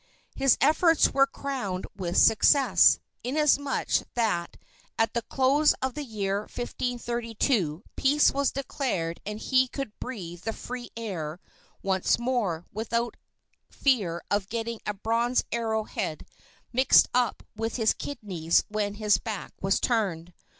His efforts were crowned with success, insomuch that at the close of the year 1532 peace was declared and he could breathe the free air once more without fear of getting a bronze arrow head mixed up with his kidneys when his back was turned.